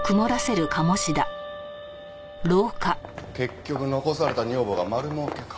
結局残された女房が丸儲けか。